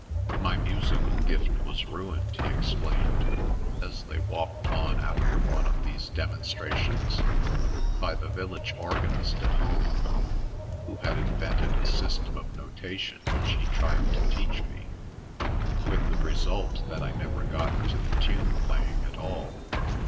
"My musical gift was ruined," he explained, as they walked on after one of these demonstrations, "by the village organist at home, who had invented a system of notation which he tried to teach me, with the result that I never got to the tune playing at all.